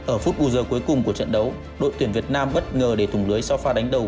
ở phút bù giờ cuối cùng của trận đấu đội tuyển việt nam bất ngờ để thùng lưới sau pha đánh đầu